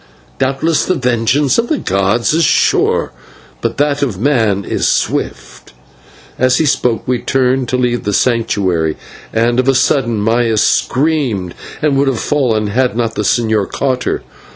Doubtless the vengeance of the gods is sure, but that of men is swift." As he spoke we turned to leave the Sanctuary, and of a sudden Maya screamed, and would have fallen had not the señor caught her.